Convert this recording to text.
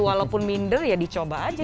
walaupun minder ya dicoba aja